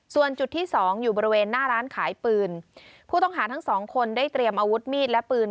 ส่วนจุดที่สองอยู่บริเวณหน้าร้านขายปืนผู้ต้องหาทั้งสองคนได้เตรียมอาวุธมีดและปืน